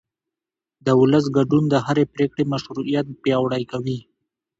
د ولس ګډون د هرې پرېکړې مشروعیت پیاوړی کوي